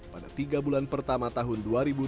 pada tiga bulan pertama tahun dua ribu dua puluh